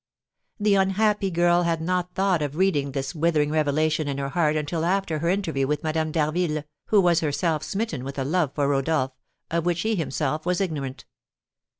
The unhappy girl had not thought of reading this withering revelation in her heart until after her interview with Madame d'Harville, who was herself smitten with a love for Rodolph, of which he himself was ignorant.